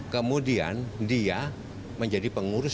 kemudian dia menjadi pengurus